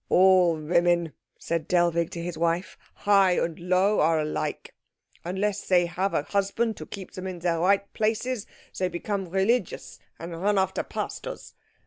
"All women," said Dellwig to his wife, "high and low, are alike. Unless they have a husband to keep them in their right places, they become religious and run after pastors.